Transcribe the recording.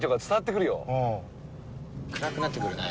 ・暗くなってくるね。